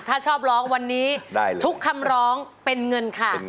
ถ้าชอบร้องวันนี้ทุกคำร้องเป็นเงินค่ะ